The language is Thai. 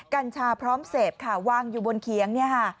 กัญชาพร้อมเสพค่ะว่างอยู่บนเคียง